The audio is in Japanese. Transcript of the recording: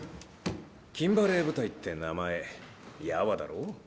キンバレー部隊って名前やわだろう？